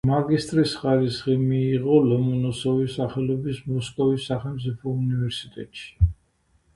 მაგისტრის ხარისხი მიიღო ლომონოსოვის სახელობის მოსკოვის სახელმწიფო უნივერსიტეტში.